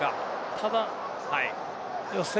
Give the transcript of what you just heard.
ただ予選